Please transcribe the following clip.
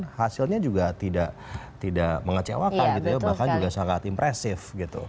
dan hasilnya juga tidak mengecewakan bahkan juga sangat impresif